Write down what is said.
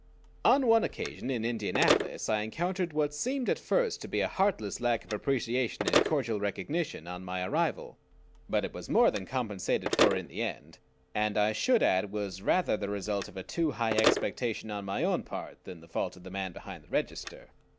On one occasion in Indianapolis I encountered what seemed at first to be a heartless lack of appreciation and cordial recognition on my arrival; but it was more than compensated for in the end, and I should add was rather the result of a too high expectation on my own part than the fault of the man behind the register.